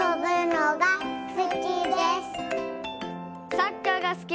サッカーがすき。